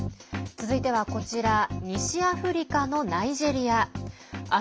続いては、こちら西アフリカのナイジェリア。